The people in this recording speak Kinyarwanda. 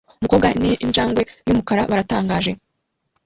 Umukobwa ninjangwe yumukara biratangaje